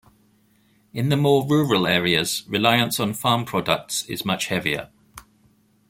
In the more rural areas, reliance on farm products is much heavier.